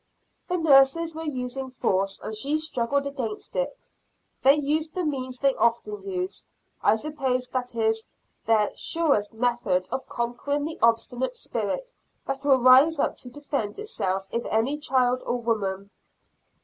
The nurses were using force, and she struggled against it. They used the means they often use; I suppose that is their surest method of conquering the obstinate spirit that will rise up to defend itself in any child or woman.